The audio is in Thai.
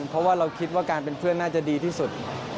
เพราะว่าเราคิดว่าการเป็นเพื่อนน่าจะดีที่สุด